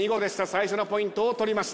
最初のポイントを取りました。